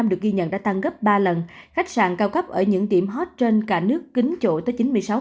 được ghi nhận đã tăng gấp ba lần khách sạn cao cấp ở những điểm hot trên cả nước kính chỗ tới chín mươi sáu